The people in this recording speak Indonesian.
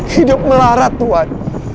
hidup melarat tuhan